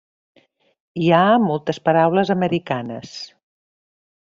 Hi ha moltes paraules americanes.